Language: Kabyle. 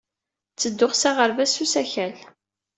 Ttedduɣ s aɣerbaz s usakal.